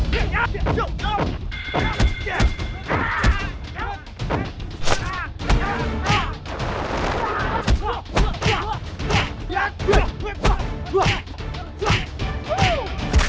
tentu saja aku mengingatmu